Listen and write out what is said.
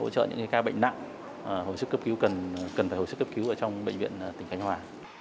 thật nhiều sức khỏe nhá